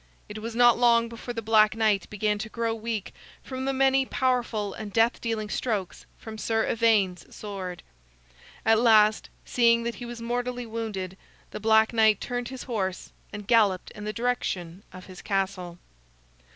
It was not long before the Black Knight began to grow weak from the many powerful and death dealing strokes from Sir Ivaine's sword. At last, seeing that he was mortally wounded, the Black Knight turned his horse and galloped in the direction of his castle.